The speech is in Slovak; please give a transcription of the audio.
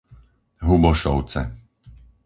Hubošovce